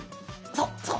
そうそう。